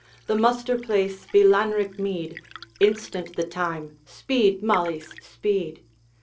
'The muster place be Lanrick mead Instant the time speed, Malise, speed!'